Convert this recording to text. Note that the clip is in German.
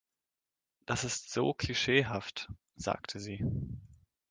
„Das ist so klischeehaft“, sagte sie.